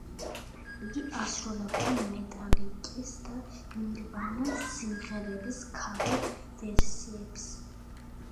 იგი ასრულებდა მეტალიკის და ნირვანას სიმღერების ქავერ ვერსიებს.